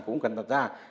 cũng cần đặt ra